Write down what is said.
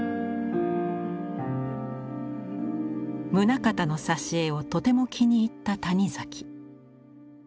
棟方の挿絵をとても気に入った谷崎。